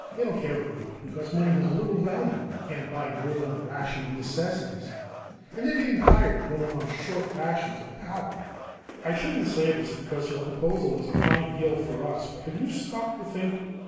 They don't care very much, because money has little value when you can't buy more than the rationed necessities. And they're getting tired of going on short rations of power." "I shouldn't say this, because your proposal is a fine deal for us, but have you stopped to think?